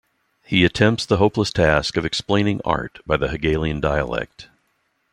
He attempts the hopeless task of explaining art by the Hegelian dialectic.